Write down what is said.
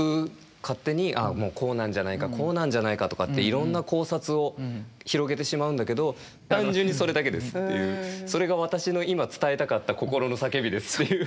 勝手にもうこうなんじゃないかこうなんじゃないかとかっていろんな考察を広げてしまうんだけど単純にそれだけですっていうそれが私の今伝えたかった心の叫びですっていう。